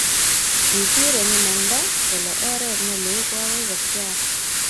kisiir eng imanda, kole oret neloo koagoi kopcheak